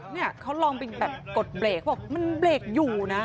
เนี่ยเขาลองเป็นแบบกดเบรกเขาบอกมันเบรกอยู่นะ